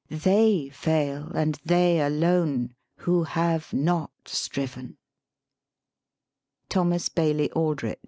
They fail, and they alone, who have not striven. THOMAS BAILEY ALDRICH.